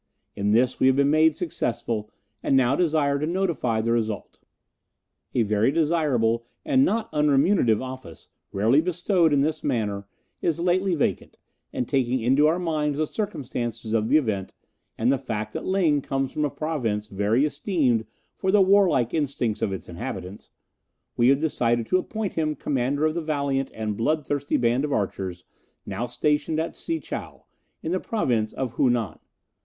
In this we have been made successful, and now desire to notify the result. A very desirable and not unremunerative office, rarely bestowed in this manner, is lately vacant, and taking into our minds the circumstances of the event, and the fact that Ling comes from a Province very esteemed for the warlike instincts of its inhabitants, we have decided to appoint him commander of the valiant and blood thirsty band of archers now stationed at Si chow, in the Province of Hu Nan.